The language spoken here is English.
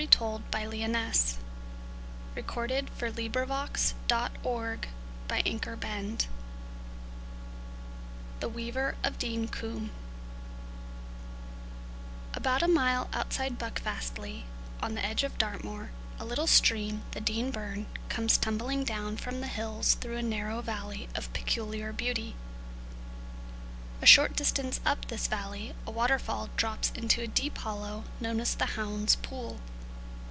[Illustration: "The Parson and the Clerk"] THE WEAVER OF DEAN COMBE About a mile outside Buckfastleigh, on the edge of Dartmoor, a little stream, the Dean Burn, comes tumbling down from the hills through a narrow valley of peculiar beauty. A short distance up this valley a waterfall drops into a deep hollow known as the "Hound's Pool."